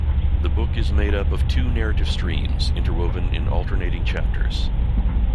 The book is made up of two narrative streams, interwoven in alternating chapters.